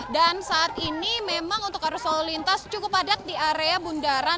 dan saat ini memang untuk arus lalu lintas cukup adat di area bundaran